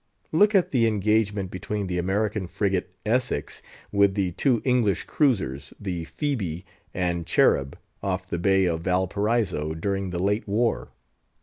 Look at the engagement between the American frigate Essex with the two English cruisers, the Phoebe and Cherub, off the Bay of Valparaiso, during the late war.